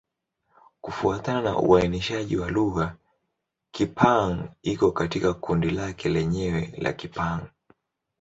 Kufuatana na uainishaji wa lugha, Kipa-Hng iko katika kundi lake lenyewe la Kipa-Hng.